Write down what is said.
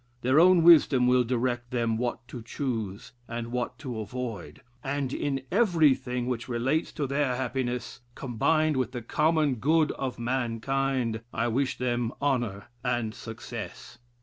Their own wisdom will direct them what to choose and what to avoid, and in everything which relates to their happiness, combined with the common good of mankind, I wish them honor and success."